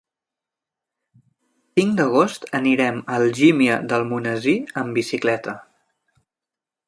El cinc d'agost anirem a Algímia d'Almonesir amb bicicleta.